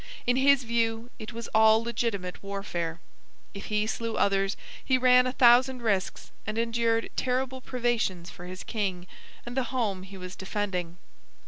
In his view it was all legitimate warfare. If he slew others, he ran a thousand risks and endured terrible privations for his king and the home he was defending.